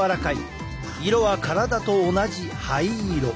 色は体と同じ灰色。